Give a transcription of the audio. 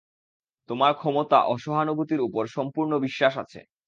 তোমার ক্ষমতা ও সহানুভূতির উপর সম্পূর্ণ বিশ্বাস আছে।